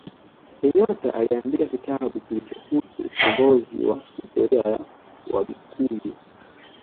kenyata aliandika kitabu kilichohusu ukombozi na historia ya wagikuyu